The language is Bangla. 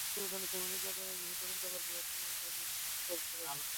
প্রতিবেদনে শ্রমিক নির্যাতনের বিষয়ে তদন্ত করে ব্যবস্থা নেওয়াসহ বেশ কিছু সুপারিশ করা হয়।